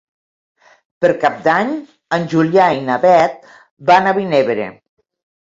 Per Cap d'Any en Julià i na Beth van a Vinebre.